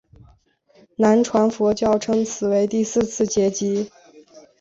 南传佛教称此为第四次结集。